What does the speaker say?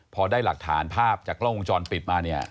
พอได้หลักฐานภาพจากกล้องวงจรปิดมาเนี่ย